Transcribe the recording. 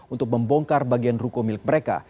untuk membongkar bagian ruko milik mereka